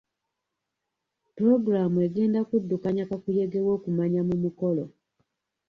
Pulogulamu egenda kuddukanya kakuyege ow'okumanya mu mukolo.